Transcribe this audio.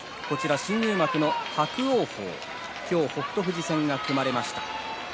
新入幕の伯桜鵬は今日北勝富士戦が組まれました。